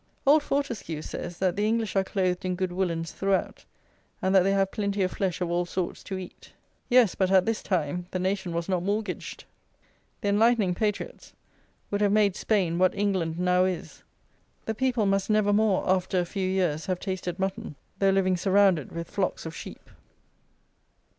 Old Fortescue says that "the English are clothed in good woollens throughout," and that they have "plenty of flesh of all sorts to eat." Yes; but at this time the nation was not mortgaged. The "enlightening" patriots would have made Spain what England now is. The people must never more, after a few years, have tasted mutton, though living surrounded with flocks of sheep.